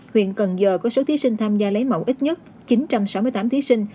huyện cần giờ có số thí sinh tham gia lấy mẫu ít nhất chín trăm sáu mươi tám thí sinh